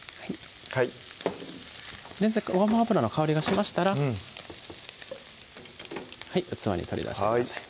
ごま油の香りがしましたら器に取り出してください